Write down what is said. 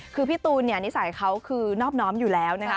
คือพี่ตูนเนี่ยนิสัยเขาคือนอบน้อมอยู่แล้วนะคะ